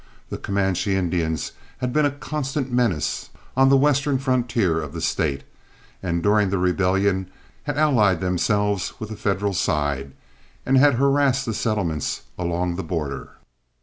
The Comanche Indians had been a constant menace on the western frontier of the State, and during the rebellion had allied themselves with the Federal side, and harassed the settlements along the border.